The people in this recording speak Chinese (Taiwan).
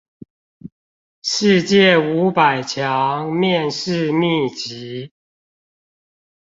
世界五百強面試秘笈